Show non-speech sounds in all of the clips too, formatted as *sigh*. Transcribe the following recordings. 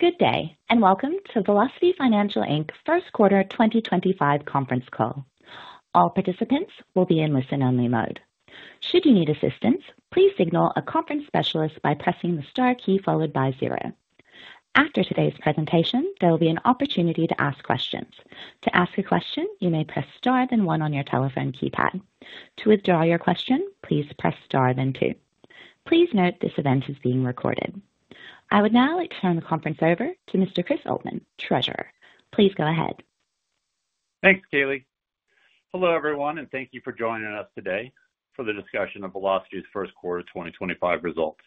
Good day, and welcome to Velocity Financial Inc.'s First Quarter 2025 conference call. All participants will be in listen-only mode. Should you need assistance, please signal a conference specialist by pressing the star key followed by zero. After today's presentation, there will be an opportunity to ask questions. To ask a question, you may press star then one on your telephone keypad. To withdraw your question, please press star then two. Please note this event is being recorded. I would now like to turn the conference over to Mr. Chris Oltmann, Treasurer. Please go ahead. Thanks, Kaylee. Hello, everyone, and thank you for joining us today for the discussion of Velocity's first quarter 2025 results.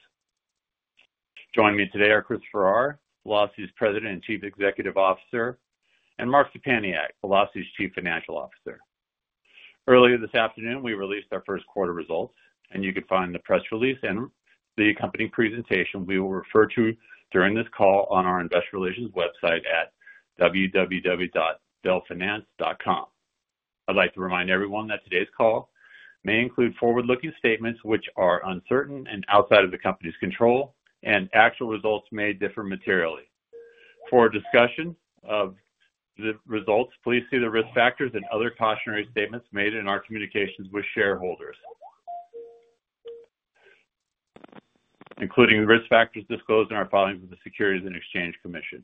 Joining me today are Chris Farrar, Velocity's President and Chief Executive Officer, and Mark Szczepaniak, Velocity's Chief Financial Officer. Earlier this afternoon, we released our first quarter results, and you can find the press release and the accompanying presentation we will refer to during this call on our Investor Relations website at www.velfinance.com. I'd like to remind everyone that today's call may include forward-looking statements which are uncertain and outside of the company's control, and actual results may differ materially. For discussion of the results, please see the risk factors and other cautionary statements made in our communications with shareholders, including the risk factors disclosed in our filings with the Securities and Exchange Commission.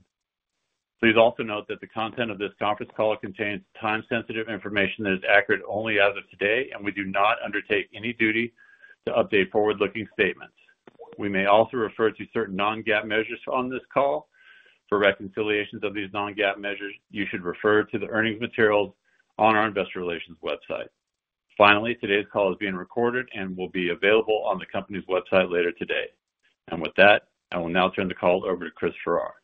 Please also note that the content of this conference call contains time-sensitive information that is accurate only as of today, and we do not undertake any duty to update forward-looking statements. We may also refer to certain non-GAAP measures on this call. For reconciliations of these non-GAAP measures, you should refer to the earnings materials on our Investor Relations website. Finally, today's call is being recorded and will be available on the company's website later today. With that, I will now turn the call over to Chris Farrar.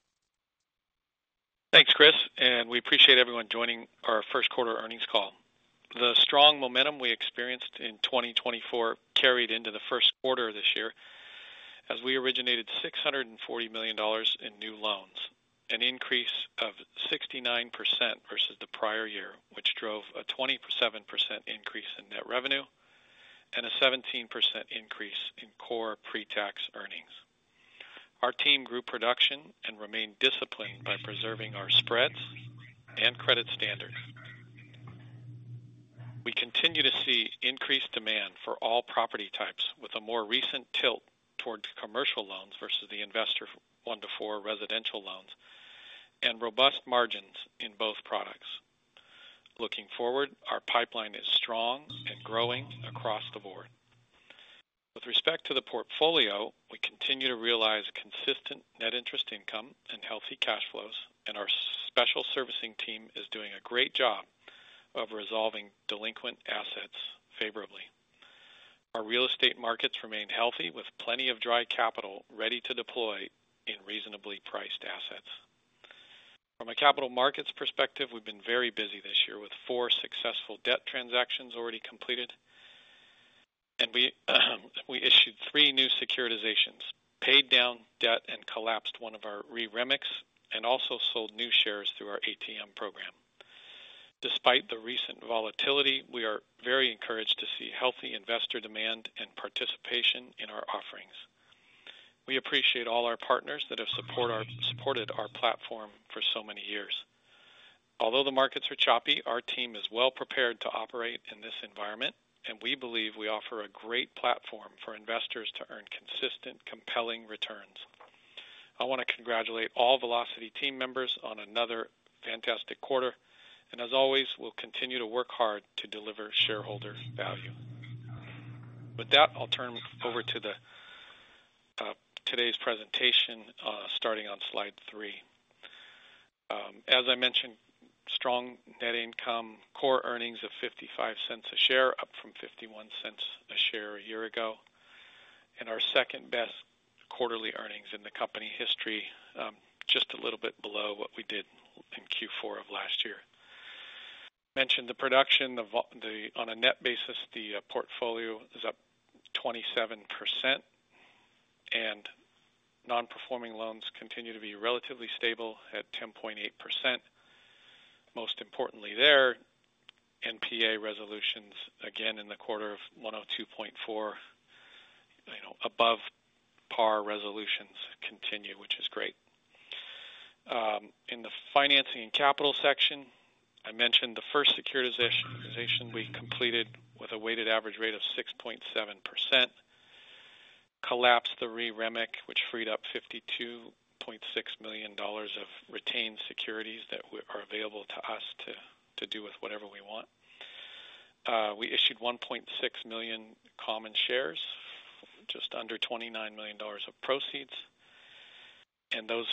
Thanks, Chris, and we appreciate everyone joining our first quarter earnings call. The strong momentum we experienced in 2024 carried into the first quarter of this year as we originated $640 million in new loans, an increase of 69% versus the prior year, which drove a 27% increase in net revenue and a 17% increase in core pre-tax earnings. Our team grew production and remained disciplined by preserving our spreads and credit standards. We continue to see increased demand for all property types, with a more recent tilt toward commercial loans versus the investor one-to-four residential loans and robust margins in both products. Looking forward, our pipeline is strong and growing across the board. With respect to the portfolio, we continue to realize consistent net interest income and healthy cash flows, and our special servicing team is doing a great job of resolving delinquent assets favorably. Our real estate markets remain healthy, with plenty of dry capital ready to deploy in reasonably priced assets. From a capital markets perspective, we've been very busy this year with four successful debt transactions already completed, and we issued three new securitizations, paid down debt, and collapsed one of our Re-REMICs, and also sold new shares through our ATM program. Despite the recent volatility, we are very encouraged to see healthy investor demand and participation in our offerings. We appreciate all our partners that have supported our platform for so many years. Although the markets are choppy, our team is well prepared to operate in this environment, and we believe we offer a great platform for investors to earn consistent, compelling returns. I want to congratulate all Velocity team members on another fantastic quarter, and as always, we'll continue to work hard to deliver shareholder value. With that, I'll turn over to today's presentation, starting on slide three. As I mentioned, strong net income, core earnings of $0.55 a share, up from $0.51 a share a year ago, and our second-best quarterly earnings in the company history, just a little bit below what we did in Q4 of last year. Mentioned the production, on a net basis, the portfolio is up 27%, and non-performing loans continue to be relatively stable at 10.8%. Most importantly there, NPA resolutions, again in the quarter of 102.4, above par resolutions continue, which is great. In the financing and capital section, I mentioned the first securitization we completed with a weighted average rate of 6.7%, collapsed the Re-REMIC, which freed up $52.6 million of retained securities that are available to us to do with whatever we want. We issued 1.6 million common shares, just under $29 million of proceeds, and those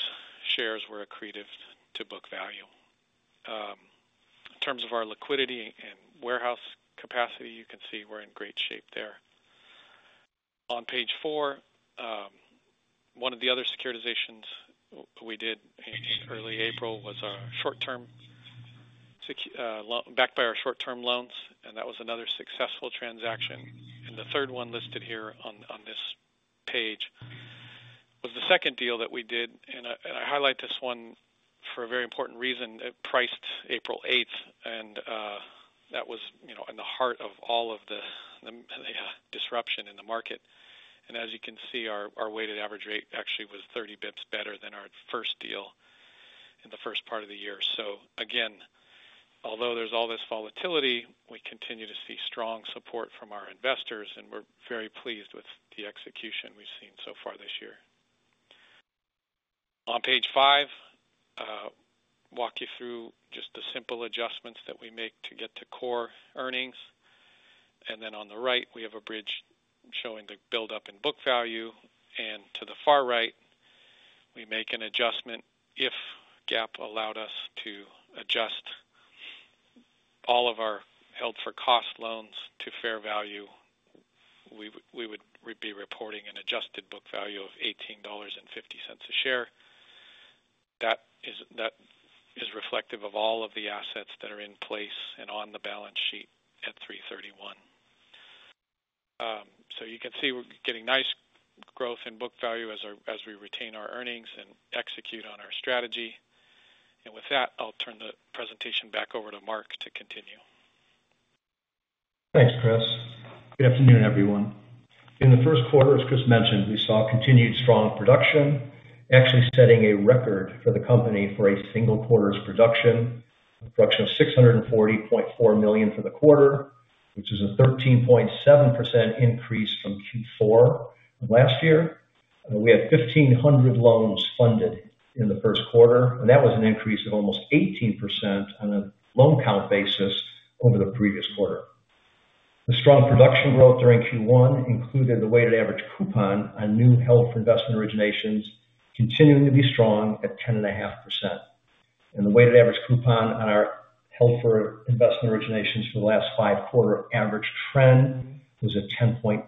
shares were accretive to book value. In terms of our liquidity and warehouse capacity, you can see we're in great shape there. On page four, one of the other securitizations we did in early April was backed by our short-term loans, and that was another successful transaction. The third one listed here on this page was the second deal that we did, and I highlight this one for a very important reason. It priced April 8th, and that was in the heart of all of the disruption in the market. As you can see, our weighted average rate actually was 30 basis points better than our first deal in the first part of the year. Again, although there's all this volatility, we continue to see strong support from our investors, and we're very pleased with the execution we've seen so far this year. On page five, I'll walk you through just the simple adjustments that we make to get to core earnings. Then on the right, we have a bridge showing the buildup in book value. To the far right, we make an adjustment if GAAP allowed us to adjust all of our held-for-cost loans to fair value. We would be reporting an adjusted book value of $18.50 a share. That is reflective of all of the assets that are in place and on the balance sheet at 3/31. You can see we're getting nice growth in book value as we retain our earnings and execute on our strategy. With that, I'll turn the presentation back over to Mark to continue. Thanks, Chris. Good afternoon, everyone. In the first quarter, as Chris mentioned, we saw continued strong production, actually setting a record for the company for a single quarter's production, a production of $640.4 million for the quarter, which is a 13.7% increase from Q4 last year. We had 1,500 loans funded in the first quarter, and that was an increase of almost 18% on a loan-count basis over the previous quarter. The strong production growth during Q1 included the weighted average coupon on new held-for-investment originations continuing to be strong at 10.5%. The weighted average coupon on our held-for-investment originations for the last five quarter average trend was at 10.8%.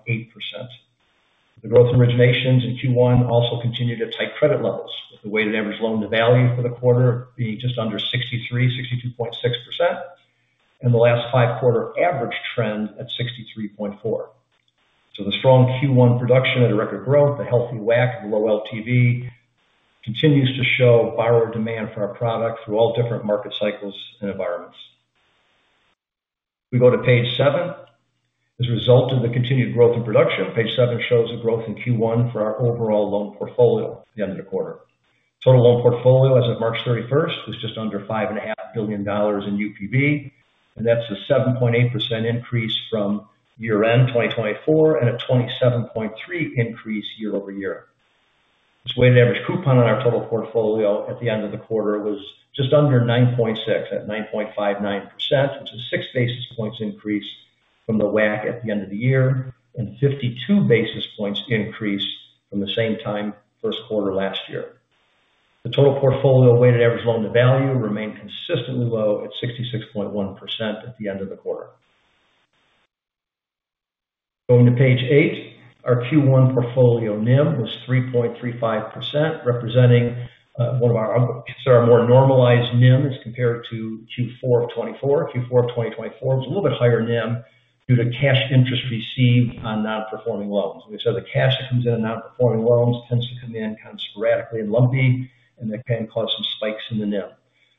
The growth in originations in Q1 also continued at tight credit levels, with the weighted average loan-to-value for the quarter being just under 63%, 62.6%, and the last five quarter average trend at 63.4%. The strong Q1 production at a record growth, the healthy WAC, the low LTV, continues to show borrower demand for our product through all different market cycles and environments. We go to page seven. As a result of the continued growth in production, page seven shows the growth in Q1 for our overall loan portfolio at the end of the quarter. Total loan portfolio as of March 31st was just under $5.5 billion in UPB, and that's a 7.8% increase from year-end 2024 and a 27.3% increase year-over-year. This weighted average coupon on our total portfolio at the end of the quarter was just under 9.6% at 9.59%, which is a six basis points increase from the WAC at the end of the year and a 52 basis points increase from the same time first quarter last year. The total portfolio weighted average loan-to-value remained consistently low at 66.1% at the end of the quarter. Going to page eight, our Q1 portfolio NIM was 3.35%, representing one of our more normalized NIMs compared to Q4 of 2024. Q4 of 2024 was a little bit higher NIM due to cash interest received on non-performing loans. We said the cash that comes in on non-performing loans tends to come in kind of sporadically and lumpy, and that can cause some spikes in the NIM.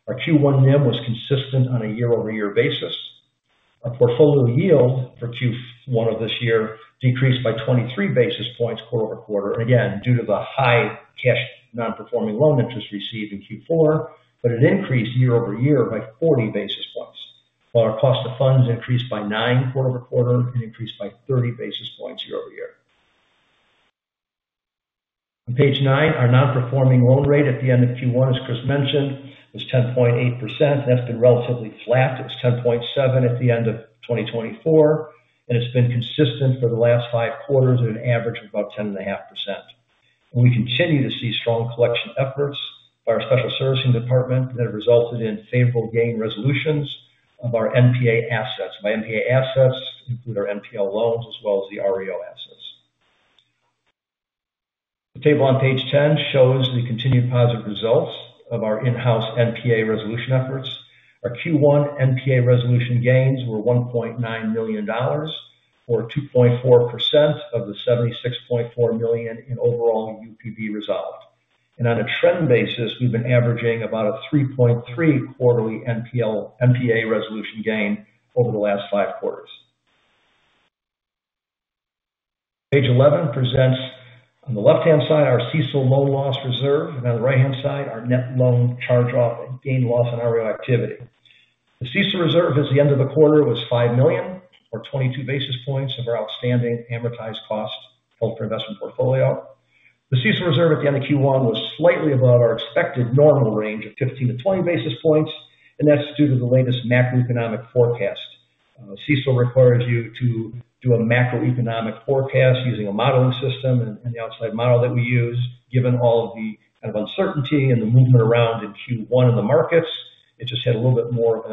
Our Q1 NIM was consistent on a year-over-year basis. Our portfolio yield for Q1 of this year decreased by 23 basis points quarter-over-quarter, again due to the high cash non-performing loan interest received in Q4, but it increased year-over-year by 40 basis points. While our cost of funds increased by 9% quarter-over-quarter, it increased by 30 basis points year-over- year. On page nine, our non-performing loan rate at the end of Q1, as Chris mentioned, was 10.8%. That has been relatively flat. It was 10.7% at the end of 2024, and it has been consistent for the last five quarters at an average of about 10.5%. We continue to see strong collection efforts by our special servicing department that have resulted in favorable gain resolutions of our NPA assets. By NPA assets, I mean our NPL loans as well as the REO assets. The table on page 10 shows the continued positive results of our in-house NPA resolution efforts. Our Q1 NPA resolution gains were $1.9 million, or 2.4% of the $76.4 million in overall UPB resolved. On a trend basis, we've been averaging about a 3.3 quarterly NPA resolution gain over the last five quarters. Page 11 presents, on the left-hand side, our CECL loan loss reserve, and on the right-hand side, our net loan charge-off and gain loss on REO activity. The CECL reserve at the end of the quarter was $5 million, or 22 basis points of our outstanding amortized cost held-for-investment portfolio. The CECL reserve at the end of Q1 was slightly above our expected normal range of 15 basis points-20 basis points, and that's due to the latest macroeconomic forecast. CECL requires you to do a macroeconomic forecast using a modeling system and the outside model that we use. Given all of the kind of uncertainty and the movement around in Q1 in the markets, it just had a little bit more of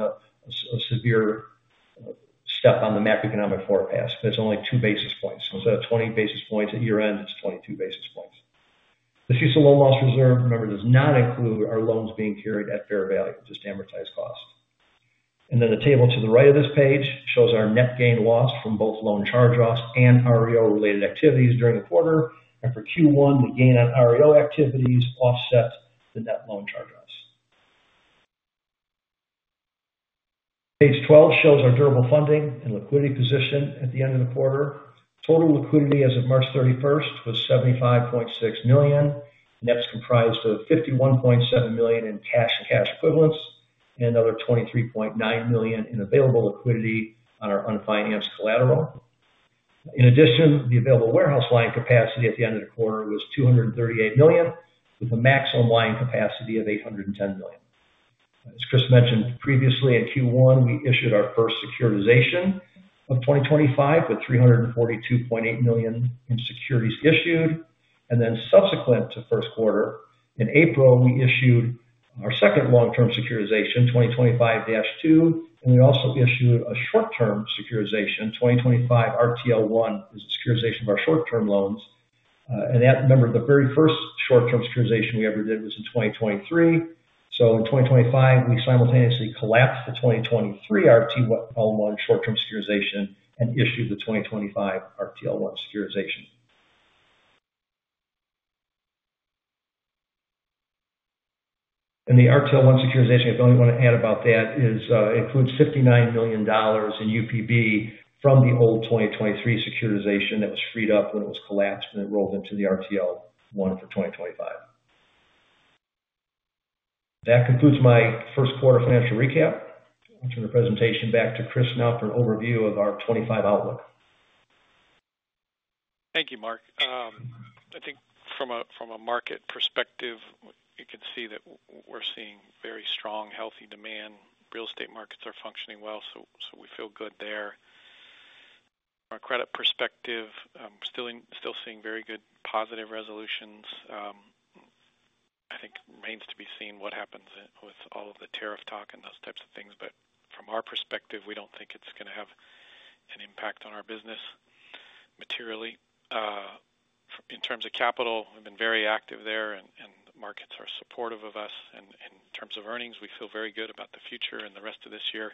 a severe step on the macroeconomic forecast, but it's only 2 basis points. Instead of 20 basis points at year-end, it's 22 basis points. The CECL loan loss reserve, remember, does not include our loans being carried at fair value, just amortized cost. The table to the right of this page shows our net gain loss from both loan charge-offs and REO-related activities during the quarter. For Q1, the gain on REO activities offset the net loan charge-offs. Page 12 shows our durable funding and liquidity position at the end of the quarter. Total liquidity as of March 31st was $75.6 million. That's comprised of $51.7 million in cash and cash equivalents and another $23.9 million in available liquidity on our unfinanced collateral. In addition, the available warehouse line capacity at the end of the quarter was $238 million, with a maximum line capacity of $810 million. As Chris mentioned previously, in Q1, we issued our first securitization of 2025 with $342.8 million in securities issued. Subsequent to first quarter, in April, we issued our second long-term securitization, 2025-2, and we also issued a short-term securitization, 2025-RTL1, which is the securitization of our short-term loans. Remember, the very first short-term securitization we ever did was in 2023. In 2025, we simultaneously collapsed the 2023-RTL1 short-term securitization and issued the 2025-RTL1 securitization. The RTL1 securitization, if I only want to add about that, includes $59 million in UPB from the old 2023 securitization that was freed up when it was collapsed and enrolled into the RTL1 for 2025. That concludes my first quarter financial recap. I'll turn the presentation back to Chris now for an overview of our 2025 outlook. Thank you, Mark. I think from a market perspective, you can see that we're seeing very strong, healthy demand. Real estate markets are functioning well, so we feel good there. From a credit perspective, still seeing very good positive resolutions. I think it remains to be seen what happens with all of the tariff talk and those types of things, but from our perspective, we don't think it's going to have an impact on our business materially. In terms of capital, we've been very active there, and the markets are supportive of us. In terms of earnings, we feel very good about the future and the rest of this year,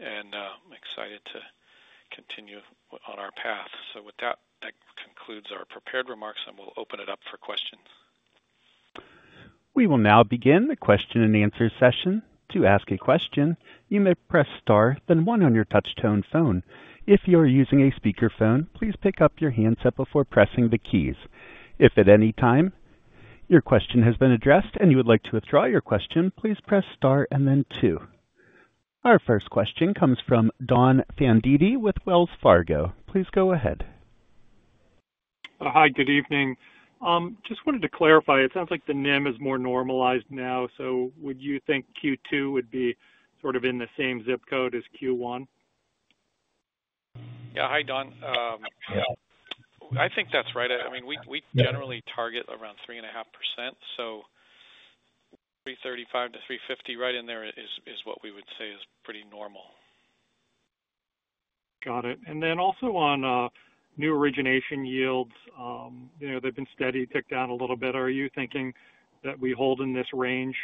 and I'm excited to continue on our path. That concludes our prepared remarks, and we'll open it up for questions. We will now begin the question and answer session. To ask a question, you may press star, then one on your touch-tone phone. If you are using a speakerphone, please pick up your handset before pressing the keys. If at any time your question has been addressed and you would like to withdraw your question, please press star and then two. Our first question comes from Don Fandetti with Wells Fargo. Please go ahead. Hi, good evening. Just wanted to clarify, it sounds like the NIM is more normalized now, so would you think Q2 would be sort of in the same zip code as Q1? Yeah, hi, Don. I think that's right. I mean, we generally target around 3.5%, so 335 basis points-350 basis points right in there is what we would say is pretty normal. Got it. Also, on new origination yields, they've been steady, ticked down a little bit. Are you thinking that we hold in this range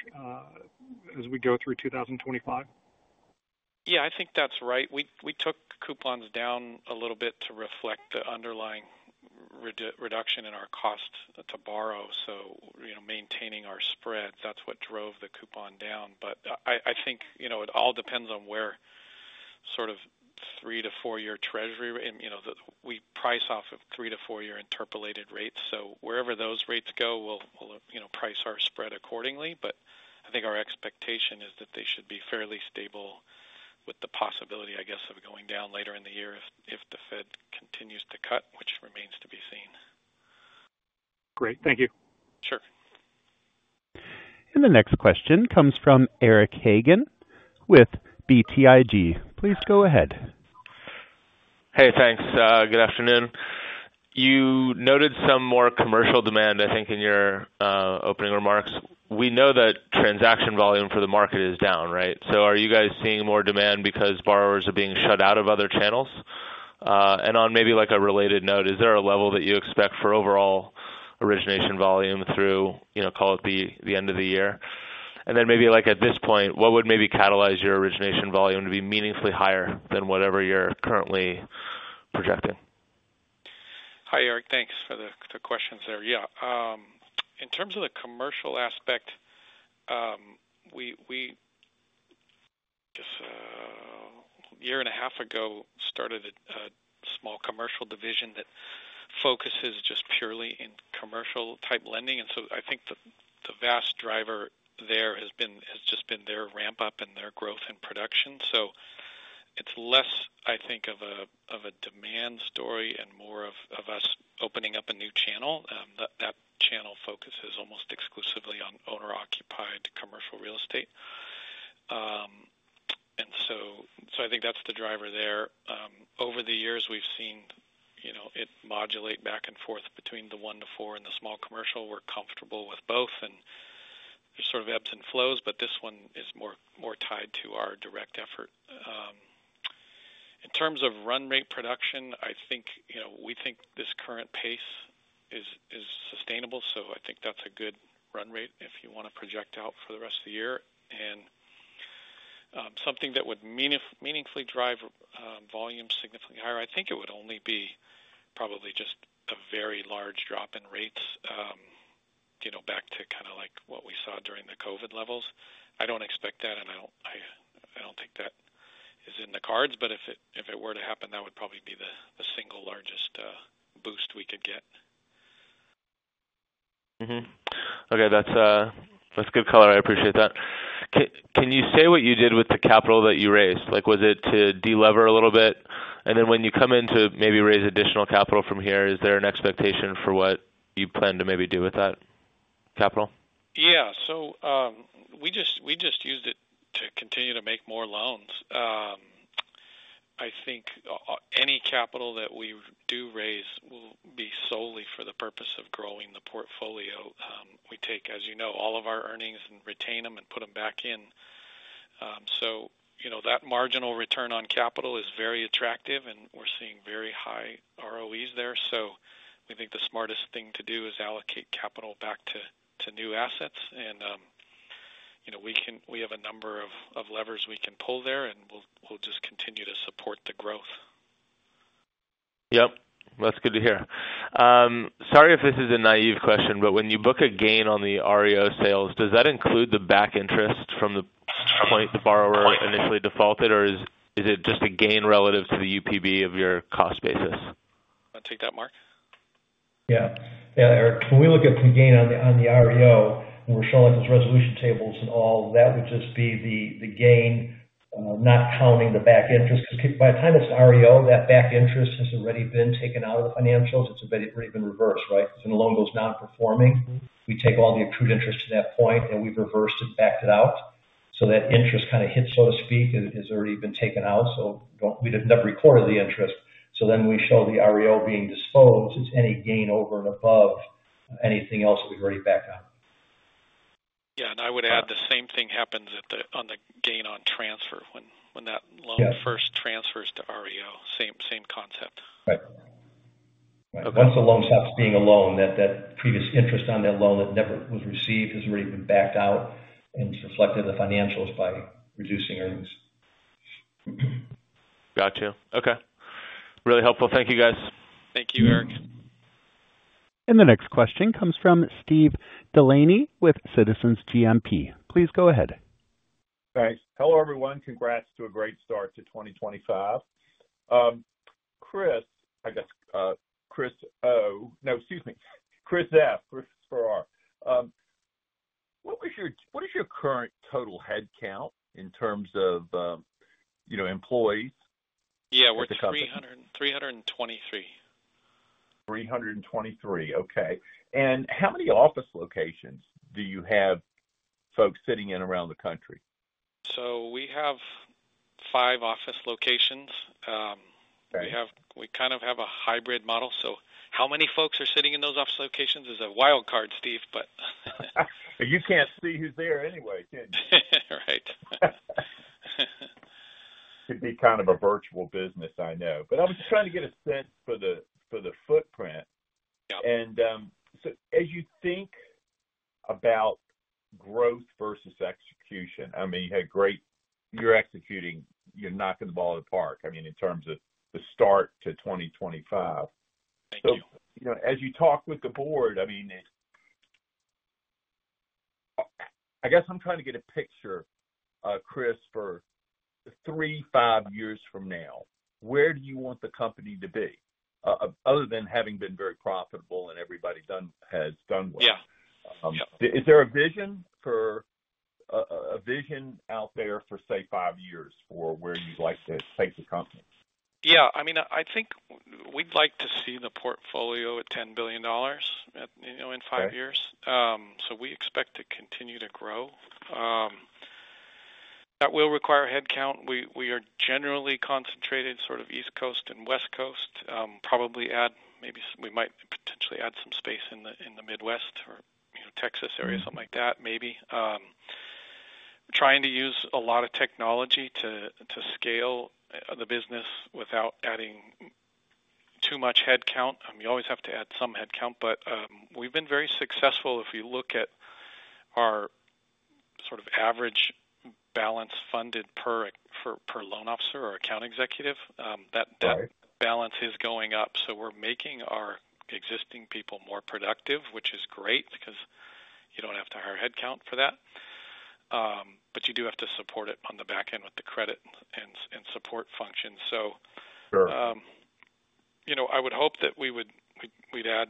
as we go through 2025? Yeah, I think that's right. We took coupons down a little bit to reflect the underlying reduction in our cost to borrow. So maintaining our spread, that's what drove the coupon down. I think it all depends on where sort of three to four-year Treasury, we price off of three to four-year interpolated rates. Wherever those rates go, we'll price our spread accordingly. I think our expectation is that they should be fairly stable with the possibility, I guess, of going down later in the year if the Fed continues to cut, which remains to be seen. Great. Thank you. Sure. The next question comes from Eric Hagen with BTIG. Please go ahead. Hey, thanks. Good afternoon. You noted some more commercial demand, I think, in your opening remarks. We know that transaction volume for the market is down, right? Are you guys seeing more demand because borrowers are being shut out of other channels? On maybe a related note, is there a level that you expect for overall origination volume through, call it the end of the year? At this point, what would maybe catalyze your origination volume to be meaningfully higher than whatever you are currently projecting? Hi, Eric. Thanks for the questions there. Yeah. In terms of the commercial aspect, we just a year and a half ago started a small commercial division that focuses just purely in commercial-type lending. I think the vast driver there has just been their ramp-up and their growth in production. It's less, I think, of a demand story and more of us opening up a new channel. That channel focuses almost exclusively on owner-occupied commercial real estate. I think that's the driver there. Over the years, we've seen it modulate back and forth between the one to four and the small commercial. We're comfortable with both, and there's sort of ebbs and flows, but this one is more tied to our direct effort. In terms of run-rate production, I think we think this current pace is sustainable, so I think that's a good run-rate if you want to project out for the rest of the year. Something that would meaningfully drive volume significantly higher, I think it would only be probably just a very large drop in rates back to kind of like what we saw during the COVID levels. I do not expect that, and I do not think that is in the cards, but if it were to happen, that would probably be the single largest boost we could get. Okay. That's good color. I appreciate that. Can you say what you did with the capital that you raised? Was it to delever a little bit? When you come in to maybe raise additional capital from here, is there an expectation for what you plan to maybe do with that capital? Yeah. We just used it to continue to make more loans. I think any capital that we do raise will be solely for the purpose of growing the portfolio. We take, as you know, all of our earnings and retain them and put them back in. That marginal return on capital is very attractive, and we're seeing very high ROEs there. We think the smartest thing to do is allocate capital back to new assets. We have a number of levers we can pull there, and we'll just continue to support the growth. Yep. That's good to hear. Sorry if this is a naive question, but when you book a gain on the REO sales, does that include the back interest from the point the borrower initially defaulted, or is it just a gain relative to the UPB of your cost basis? Take that, Mark. Yeah. Yeah, Eric, when we look at the gain on the REO, we're showing those resolution tables and all, that would just be the gain, not counting the back interest. Because by the time it's an REO, that back interest has already been taken out of the financials. It's already been reversed, right? When a loan goes non-performing, we take all the accrued interest to that point, and we've reversed it, backed it out. That interest kind of hit, so to speak, has already been taken out. We'd have never recorded the interest. We show the REO being disposed. It's any gain over and above anything else that we've already backed out. Yeah. I would add the same thing happens on the gain on transfer when that loan first transfers to REO. Same concept. Right. Right. That is a loan stops being a loan. That previous interest on that loan that never was received has already been backed out, and it is reflected in the financials by reducing earnings. Gotcha. Okay. Really helpful. Thank you, guys. Thank you, Eric. The next question comes from Steve Delaney with Citizens JMP. Please go ahead. Thanks. Hello, everyone. Congrats to a great start to 2025. Chris, I guess Chris O—no, excuse me. Chris Farrar. What is your current total headcount in terms of employees at the company? Yeah. We're at 323. Okay. How many office locations do you have folks sitting in around the country? We have five office locations. We kind of have a hybrid model. How many folks are sitting in those office locations is a wild card, Steve, but. You can't see who's there anyway, can you? Right. It'd be kind of a virtual business, I know. I was trying to get a sense for the footprint. As you think about growth versus execution, I mean, you're executing—you're knocking the ball in the park, I mean, in terms of the start to 2 As you talk with the board, I mean, I guess I'm trying to get a picture, Chris, for three, five years from now. Where do you want the company to be other than having been very profitable and everybody has done well? Yeah. Yeah. Is there a vision out there for, say, five years for where you'd like to take the company? Yeah. I mean, I think we'd like to see the portfolio at $10 billion in five years. We expect to continue to grow. That will require headcount. We are generally concentrated sort of East Coast and West Coast, probably add—we might potentially add some space in the Midwest or Texas area, something like that, maybe. We're trying to use a lot of technology to scale the business without adding too much headcount. You always have to add some headcount, but we've been very successful. If you look at our sort of average balance funded per loan officer or account executive, that balance is going up. We're making our existing people more productive, which is great because you don't have to hire headcount for that, but you do have to support it on the back end with the credit and support functions. I would hope that we'd add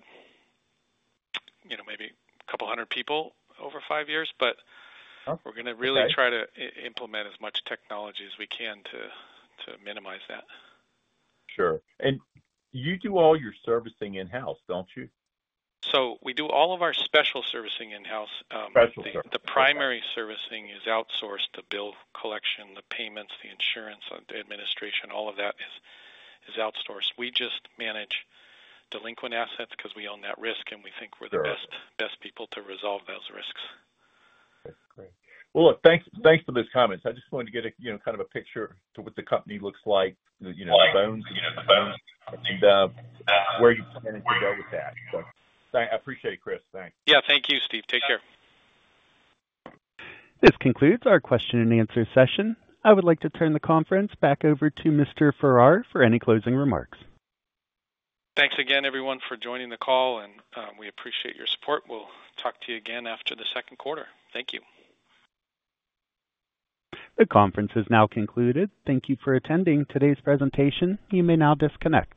maybe a couple hundred people over five years, but we're going to really try to implement as much technology as we can to minimize that. Sure. You do all your servicing in-house, don't you? We do all of our special servicing in-house. I see. The primary servicing is outsourced to bill collection, the payments, the insurance, the administration, all of that is outsourced. We just manage delinquent assets because we own that risk, and we think we're the best people to resolve those risks. Great. Look, thanks for those comments. I just wanted to get kind of a picture of what the company looks like, the *audio distortion* I appreciate it, Chris. Thanks. Yeah. Thank you, Steve. Take care. This concludes our question and answer session. I would like to turn the conference back over to Mr. Farrar for any closing remarks. Thanks again, everyone, for joining the call, and we appreciate your support. We'll talk to you again after the second quarter. Thank you. The conference has now concluded. Thank you for attending today's presentation. You may now disconnect.